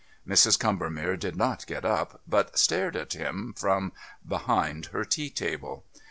Mrs. Combermere did not get up, but stared at him from, behind her tea table.